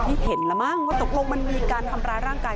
เห็นแล้วมั้งว่าตกลงมันมีการทำร้ายร่างกาย